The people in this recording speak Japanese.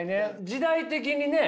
時代的にね